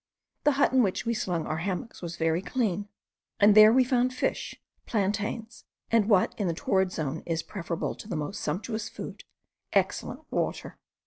The hut in which we slung our hammocks was very clean; and there we found fish, plantains, and what in the torrid zone is preferable to the most sumptuous food, excellent water.